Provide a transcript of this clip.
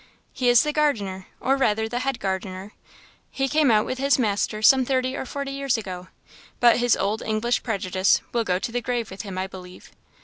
"He is the gardener, or rather the head gardener. He came out with his master some thirty or forty years ago, but his old English prejudice will go to the grave with him, I believe."